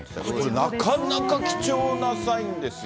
なかなか貴重なサインですよ。